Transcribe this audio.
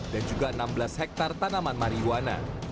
dan juga enam belas hektare tanaman marihuana